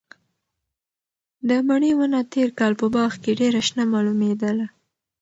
د مڼې ونه تېر کال په باغ کې ډېره شنه معلومېدله.